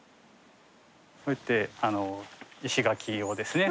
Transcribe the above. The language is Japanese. こうやって石垣をですね